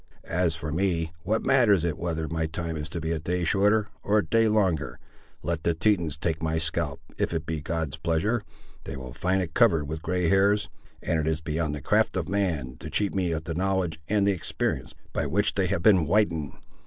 As for me, what matters it whether my time is to be a day shorter or a day longer! Let the Tetons take my scalp, if it be God's pleasure: they will find it covered with grey hairs; and it is beyond the craft of man to cheat me of the knowledge and experience by which they have been whitened."